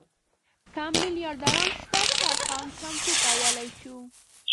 کم میلیاردران شته چې ارقام چمتو کولی شو.